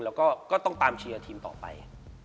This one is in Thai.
แล้วก็ก็ต้องตามเชียร์ทีมต่อไป